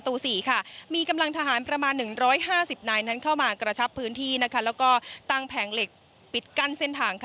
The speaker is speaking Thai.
ตั้งแผงเหล็กปิดกั้นเส้นทาง